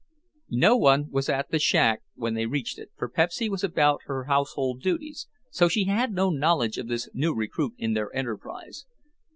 No one was at the shack when they reached it for Pepsy was about her household duties, so she had no knowledge of this new recruit in their enterprise.